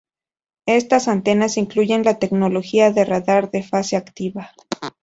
Estas antenas incluyen la tecnología de Radar de fase activa.